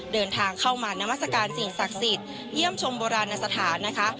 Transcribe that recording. เดินทางเข้ามานามัศกาลสิ่งศักดิ์สิทธิ์เยี่ยมชมโบราณสถานนะคะ